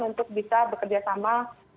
untuk bisa bekerjasama